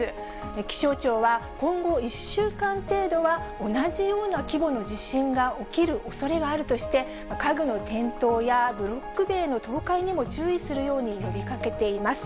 気象庁は、今後１週間程度は、同じような規模の地震が起きるおそれがあるとして、家具の転倒やブロック塀の倒壊にも注意するように呼び掛けています。